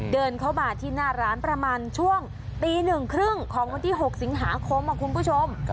เดินเข้ามาที่หน้าร้านประมาณช่วงตี๑๓๐ของวันที่๖สิงหาคมคุณผู้ชม